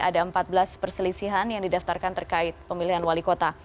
ada empat belas perselisihan yang didaftarkan terkait pemilihan wali kota